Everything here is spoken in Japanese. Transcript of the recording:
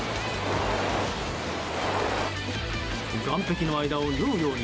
岸壁の間を縫うように